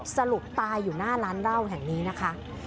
สรุปตายอยู่หน้าร้านเหล้าแห่งนี้นะคะ